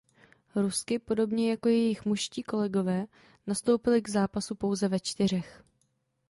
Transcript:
Rusky podobně jako jejich mužští kolegové nastoupily k zápasu pouze ve čtyřech.